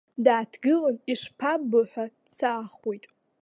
Дааҭгылан, ишԥаббо ҳәа дҵаахуеит.